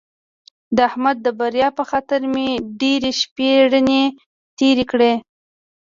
د احمد د بریا په خطر مې ډېرې شپې رڼې تېرې کړې.